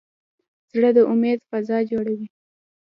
زړه د امید فضا جوړوي.